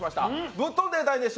「振って飛んで大熱唱！